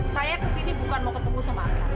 saya kesini bukan mau ketemu sama aksa